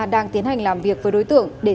đang tiến hành làm việc với đối tượng để